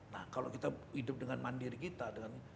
nah kalau kita hidup dengan mandiri kita